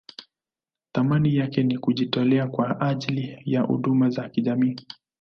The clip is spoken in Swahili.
Thamani yake ni kujitolea kwa ajili ya huduma za kijamii.